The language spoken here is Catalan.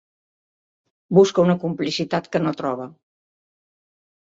Busca una complicitat que no troba.